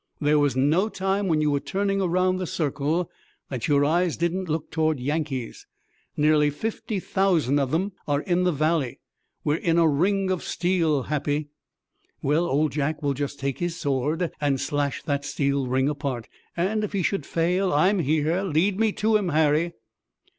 "There was no time when you were turning around the circle that your eyes didn't look toward Yankees. Nearly fifty thousand of 'em are in the valley. We're in a ring of steel, Happy." "Well, Old Jack will just take his sword and slash that steel ring apart. And if he should fail I'm here. Lead me to 'em, Harry."